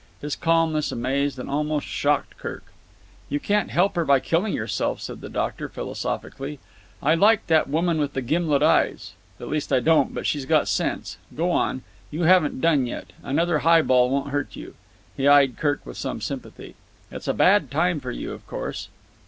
His calmness amazed and almost shocked Kirk. "You can't help her by killing yourself," said the doctor philosophically. "I like that woman with the gimlet eyes. At least I don't, but she's got sense. Go on. You haven't done yet. Another highball won't hurt you." He eyed Kirk with some sympathy. "It's a bad time for you, of course."